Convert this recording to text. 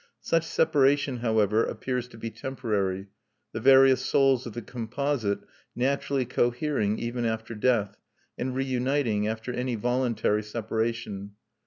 Such separation, however, appears to be temporary, the various souls of the composite naturally cohering even after death, and reuniting after any voluntary separation.